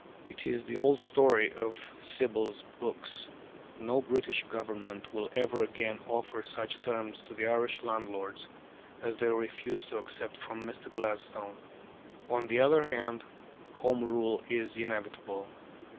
It is the old story of the Sibyl's books. No British Government will ever again offer such terms to the Irish landlords as they refused to accept from Mr. Gladstone. On the other hand, Home Rule is inevitable.